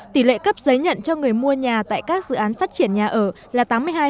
tỷ lệ cấp giấy nhận cho người mua nhà tại các dự án phát triển nhà ở là tám mươi hai bốn mươi năm